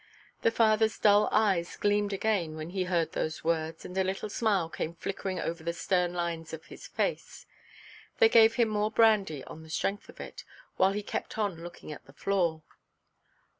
The fatherʼs dull eyes gleamed again when he heard those words, and a little smile came flickering over the stern lines of his face. They gave him more brandy on the strength of it, while he kept on looking at the door.